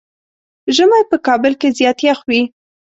ژمی په کابل کې زيات يخ وي.